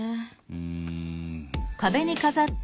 うん。